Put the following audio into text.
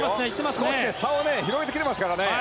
少し差を広げてきてますからね。